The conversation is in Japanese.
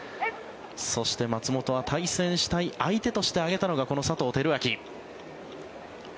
そして、松本は対戦したい相手として挙げたのがこの佐藤輝明。